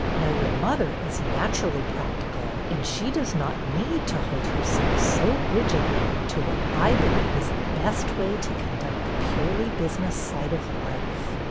Now your mother is naturally practical, and she does not need to hold herself so rigidly to what I believe is the best way to conduct the purely business side of life.